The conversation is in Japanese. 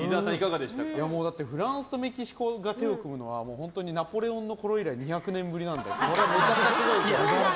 フランスとメキシコが手を組むのは本当にナポレオンのころ以来２００年ぶりなのでこれはめちゃくちゃすごいですよ。